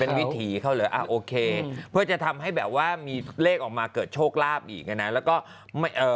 เป็นวิธีเขาเลยอะโอเคเพื่อจะทำให้แบบว่ามีเลขออกมาเกิดโชคลาภอีกนะ